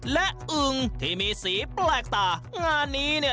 และอึงที่มีสีแปลกตางานนี้เนี่ย